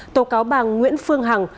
tổ cáo bằng nguyễn phương hằng